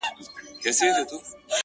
چي له تا مخ واړوي تا وویني؛